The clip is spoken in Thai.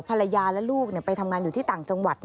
ภรรยาและลูกไปทำงานอยู่ที่ต่างจังหวัด